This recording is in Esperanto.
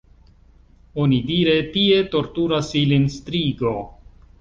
Onidire tie torturas ilin strigo.